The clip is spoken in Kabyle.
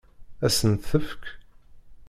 Ad sent-t-tefk?